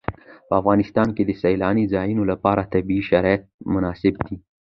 په افغانستان کې د سیلانی ځایونه لپاره طبیعي شرایط مناسب دي.